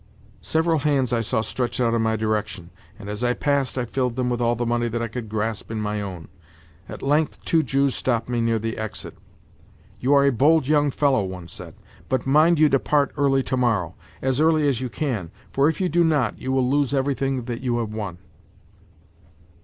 Several hands I saw stretched out in my direction, and as I passed I filled them with all the money that I could grasp in my own. At length two Jews stopped me near the exit. "You are a bold young fellow," one said, "but mind you depart early tomorrow—as early as you can—for if you do not you will lose everything that you have won."